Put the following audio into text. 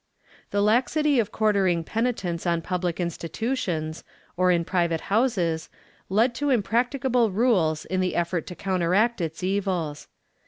The laxity of quartering penitents on public institutions or in private houses led to impracticable rules in the effort to counteract its evils.